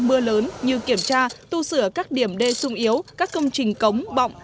mưa lớn như kiểm tra tu sửa các điểm đê sung yếu các công trình cống bọng